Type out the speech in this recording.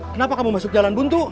kenapa kamu masuk jalan buntu